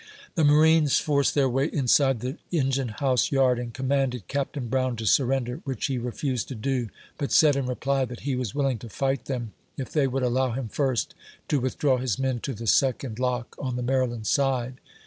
The marines forced their way inside the engine house yard, and commanded Capt. Brown to surren der, which he refused to do, but said in reply, that he was willing to fight them, if they would allow him first to with draw his men to the second lock on the Maryland side.